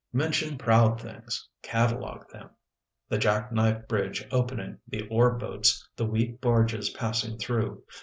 Mention proud things, catalogue them. The jack knife bridge opening, the ore boats, the wheat barges passing through.